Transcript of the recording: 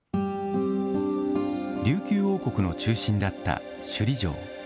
琉球王国の中心だった首里城。